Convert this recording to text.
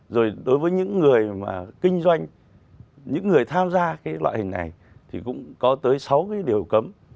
rồi đối với những người mà kinh doanh những người tham gia cái loại hình này thì cũng có tới sáu cái điều cấm